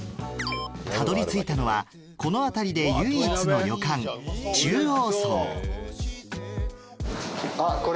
たどり着いたのはこの辺りで唯一の旅館あっこれ。